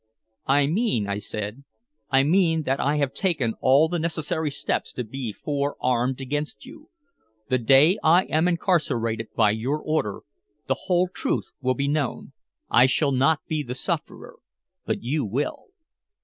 "I mean," I said, "I mean that I have taken all the necessary steps to be forearmed against you. The day I am incarcerated by your order, the whole truth will be known. I shall not be the sufferer but you will."